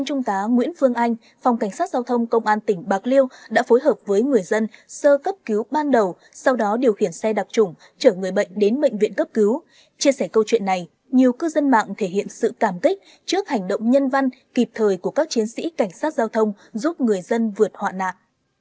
chia sẻ câu chuyện này nhiều cư dân mạng thể hiện sự cảm kích trước hành động nhân văn kịp thời của các chiến sĩ cảnh sát giao thông giúp người dân vượt họa nạc